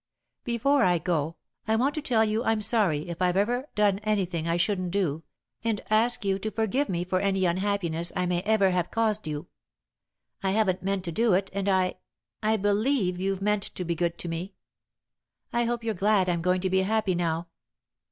Before I go, I want to tell you I'm sorry if I've ever done anything I shouldn't do, and ask you to forgive me for any unhappiness I may ever have caused you. I haven't meant to do it, and I I believe you've meant to be good to me. I hope you're glad I'm going to be happy now."